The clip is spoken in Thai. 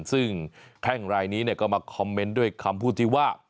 ซึ่งแข้งรายนี้ก็มาคอมเมนต์ด้วยคำพูดที่ว่า